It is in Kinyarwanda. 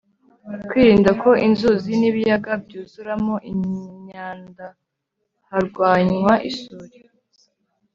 kwirinda ko inzuzi n'ibiyaga byuzuramo imyandaharwanywa isuri